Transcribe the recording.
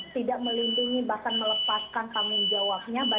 tidak melindungi bahkan melepaskan tanggung jawabnya